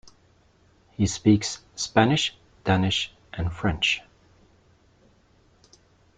He speaks Spanish, Danish and French.